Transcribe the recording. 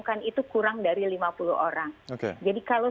kami sudah melakukan pengumuman di rumah